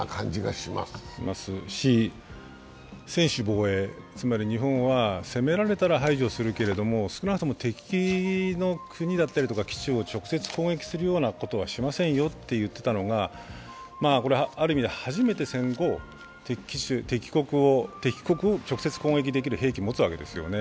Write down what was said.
しますし、専守防衛、つまり日本は攻められたら排除するけれど、少なくとも敵の国だったり基地を直接攻撃するようなことはしませんよと言っていたのが、ある意味で初めて戦後、敵国を直接攻撃できる兵器を持つわけですよね。